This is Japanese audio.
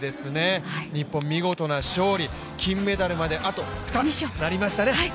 日本、見事な勝利、金メダルまであと２つとなりましたね。